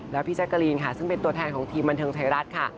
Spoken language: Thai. แล้วพี่แจ๊กกะรีนค่ะซึ่งเป็นตัวแทนของทีมบันเทิงไทยรัฐค่ะ